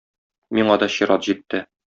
Миңа да чират җитте.